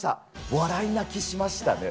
笑い泣きしましたね。